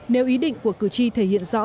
nếu ý định của cử tri thể hiện rõ